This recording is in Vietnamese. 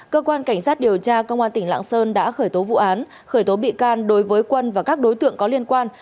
cơ quan cảnh sát điều tra công an tỉnh lạng sơn đã khởi tố vụ án khởi tố bị can đối với quân và các đối tượng có liên quan